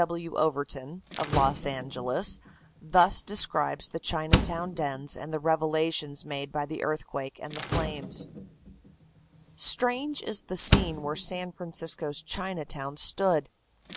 W. W. Overton, of Los Angeles, thus describes the Chinatown dens and the revelations made by the earthquake and the flames: "Strange is the scene where San Francisco's Chinatown stood.